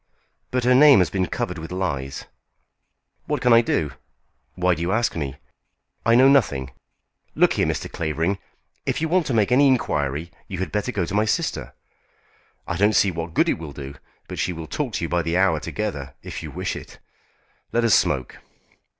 "But her name has been covered with lies." "What can I do? Why do you ask me? I know nothing. Look here, Mr. Clavering, if you want to make any inquiry you had better go to my sister. I don't see what good it will do, but she will talk to you by the hour together, if you wish it. Let us smoke."